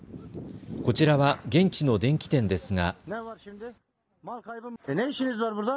こちらは現地の電気店ですが。